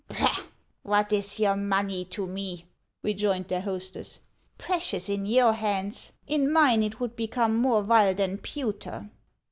" Bah ! what is your money to me !" rejoined their hostess ; "precious in your hands, in mine it would become more vile than pewter.